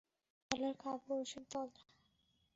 শালার কাপুরুষের দল!